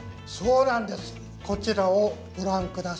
こちらをご覧下さい。